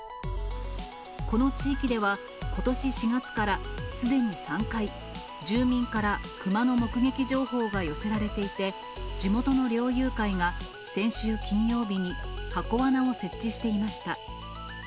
この地域では、ことし４月からすでに３回、住民からクマの目撃情報が寄せられていて、地元の猟友会が先週金曜日に箱わなを設置していました。